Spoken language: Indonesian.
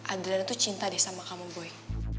adriana tuh cinta deh sama kamu boy